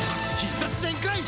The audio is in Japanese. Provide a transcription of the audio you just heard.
必殺全開！